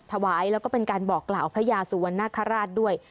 ถวายแล้วก็เป็นการบอกกล่าวพระยาสุวรรณคาราชด้วย